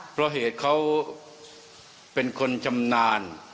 เพราะเหตุเขาเป็นคนชำนาญ